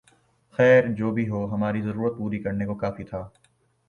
خیر جو بھی ہو ہماری ضرورت پوری کرنے کو کافی تھا